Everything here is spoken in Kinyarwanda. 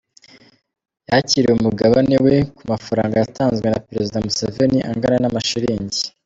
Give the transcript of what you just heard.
yakiriye umugabane we ku mafaranga yatanzwe na Perezida Museveni, angana n’amashilingi